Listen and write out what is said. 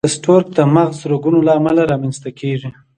د سټروک د مغز رګونو له امله رامنځته کېږي.